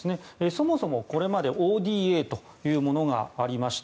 そもそもこれまでＯＤＡというものがありました。